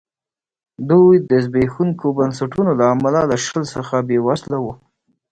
دوی د زبېښونکو بنسټونو له امله له شل څخه بېوزله وو.